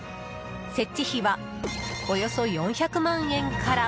設置費はおよそ４００万円から。